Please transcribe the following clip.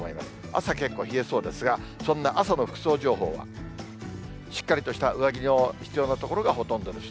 朝、結構冷えそうですが、そんな朝の服装情報は、しっかりとした上着の必要な所がほとんどです。